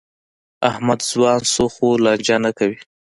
احمد ځوان شو؛ خو لانجه نه کوي.